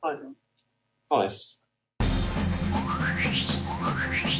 そうです。